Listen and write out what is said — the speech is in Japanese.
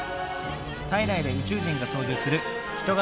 体内で宇宙人が操縦する人型